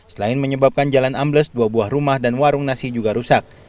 selain menyebabkan jalan ambles dua buah rumah dan warung nasi juga rusak